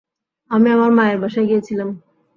আমি আমার মায়ের বাসায় গিয়েছিলাম।